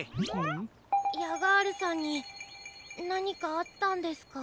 ん？ヤガールさんになにかあったんですか？